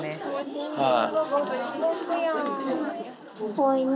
怖いね。